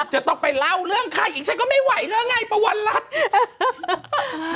จะต้องไปเล่าเรื่องใครอีกฉันก็ไม่ไหวแล้วไงปะวันรัฐ